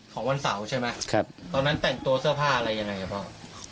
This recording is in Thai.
ของวันเสาร์ใช่ไหมตอนนั้นแต่งตัวเสื้อผ้าอะไรอย่างไรหรือเปล่า